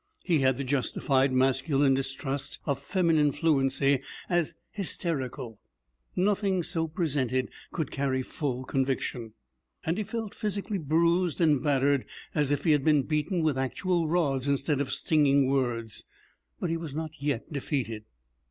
He had the justified masculine distrust of feminine fluency as hysterical. Nothing so presented could carry full conviction. And he felt physically bruised and battered, as if he had been beaten with actual rods instead of stinging words; but he was not yet defeated.